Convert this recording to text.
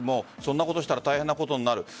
そんなことをしたら大変なことになる。